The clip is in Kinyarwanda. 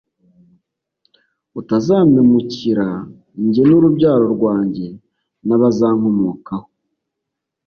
utazampemukira jye n urubyaro rwanjye n abazankomokaho